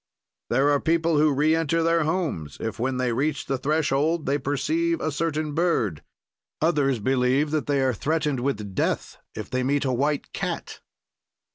"There are people who reenter their homes if, when they reach the threshold, they perceive a certain bird; others believe that they are threatened with death if they meet a white cat."